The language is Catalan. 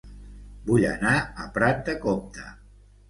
Vull anar a Prat de Comte